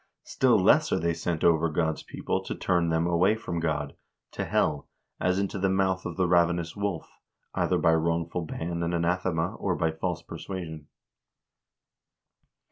Still less are they set over God's people to turn them away from God to hell, as into the mouth of the ravenous wolf, either by wrongful ban and anathema or by false persuasion."